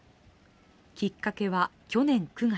きっかけは去年９月